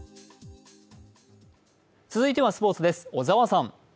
続いてはスポーツです、小沢さん。